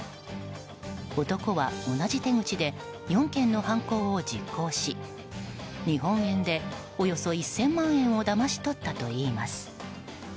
男は同じ手口で４件の犯行を実行し日本円でおよそ１０００万円をだましとったといいます。